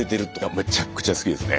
めちゃくちゃ好きですね。